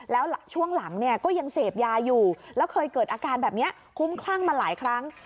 แล้วช่วงหลังเนี่ยก็ยังเสพยาอยู่แล้วเคยเกิดอาการแบบนี้คุ้มคลั่งมาหลายครั้ง